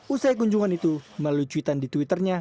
usai kunjungan itu melalui tweet an di twitter nya